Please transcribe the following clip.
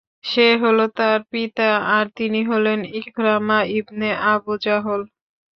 সে হল তার পিতা আর তিনি হলেন ইকরামা ইবনে আবু জাহল।